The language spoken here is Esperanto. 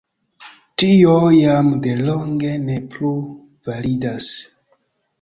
Tio jam de longe ne plu validas.